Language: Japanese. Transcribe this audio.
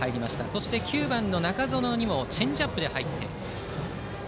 そして、９番の中園にもチェンジアップで入りました。